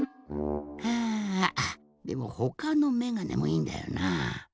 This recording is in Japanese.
はぁでもほかのめがねもいいんだよな。